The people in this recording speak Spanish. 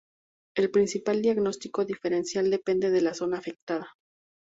El principal diagnóstico diferencial depende de la zona afectada.